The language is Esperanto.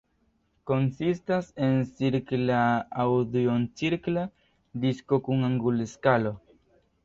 Konsistas el cirkla aŭ duoncirkla disko kun angula skalo.